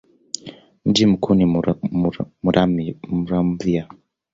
Mji mkuu ni Muramvya.